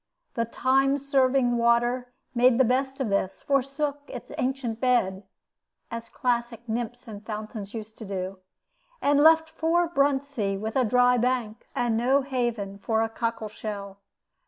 The time serving water made the best of this, forsook its ancient bed (as classic nymphs and fountains used to do), and left poor Bruntsea with a dry bank, and no haven for a cockle shell.